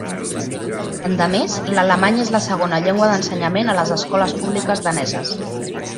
Endemés, l'alemany és la segona llengua d'ensenyament a les escoles públiques daneses.